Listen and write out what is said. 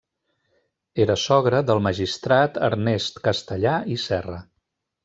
Era sogre del magistrat Ernest Castellar i Serra.